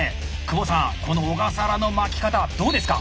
久保さんこの小笠原の巻き方どうですか？